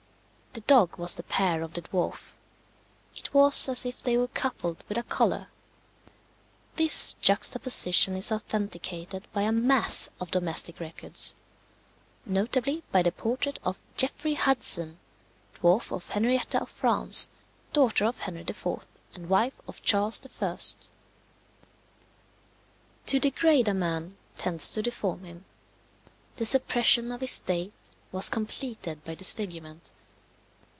The dog was the pair of the dwarf; it was as if they were coupled with a collar. This juxtaposition is authenticated by a mass of domestic records notably by the portrait of Jeffrey Hudson, dwarf of Henrietta of France, daughter of Henri IV., and wife of Charles I. To degrade man tends to deform him. The suppression of his state was completed by disfigurement.